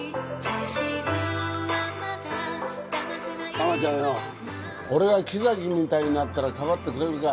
玉ちゃんよお俺が木崎みたいになったらかばってくれるか？